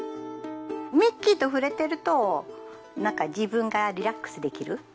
ミッキーと触れてるとなんか自分がリラックスできる。